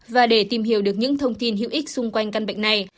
và để tìm hiểu được những thông tin hữu ích xung quanh căn bệnh này